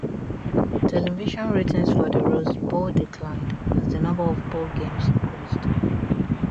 Television ratings for the Rose Bowl declined as the number of bowl games increased.